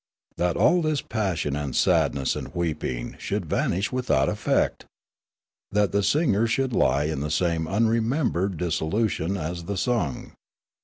That all this passion and sad ness and weeping should vanish without effect ! That the singer should lie in the same unremembered disso lution as the sung